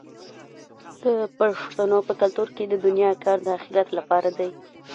د پښتنو په کلتور کې د دنیا کار د اخرت لپاره دی.